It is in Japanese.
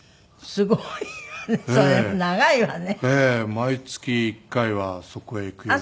毎月１回はそこへ行くように。